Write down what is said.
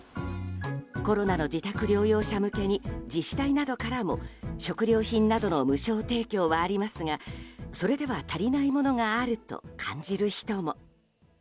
コロナの自宅療養者向けに自治体などからも食料品などの無償提供はありますがそれでは足りないものがあると感じる人も。